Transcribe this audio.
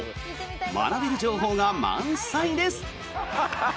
学べる情報が満載です！